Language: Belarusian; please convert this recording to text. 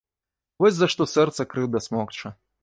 Вось за што сэрца крыўда смокча.